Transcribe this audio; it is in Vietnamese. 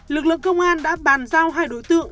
lực lượng công an đã bàn giao hai đối tượng